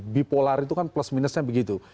bipolar itu kan plus minusnya begitu